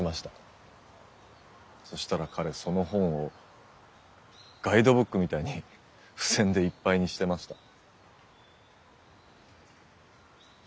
そしたら彼その本をガイドブックみたいに付箋でいっぱいにしてました。